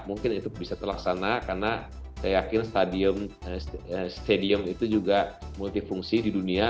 mungkin itu bisa terlaksana karena saya yakin stadium itu juga multifungsi di dunia